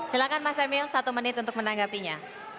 silahkan mas emil satu menit untuk menanggapinya